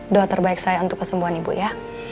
doa terbaik saya untuk kesembuhan ibu ya